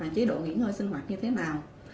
chế độ nghỉ ngơi sinh hoạt như thế nào